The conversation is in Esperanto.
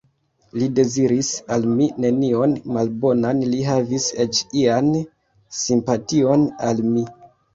Li deziris al mi nenion malbonan; li havis eĉ ian simpation al mi.